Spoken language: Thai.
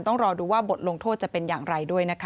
ต้องรอดูว่าบทลงโทษจะเป็นอย่างไรด้วยนะคะ